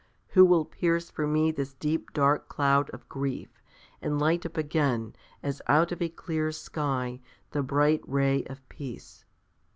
Who will pierce for me this deep dark cloud of grief, and light up again, as out of a clear sky, the bright ray of peace?